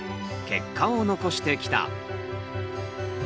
結果を残してきた。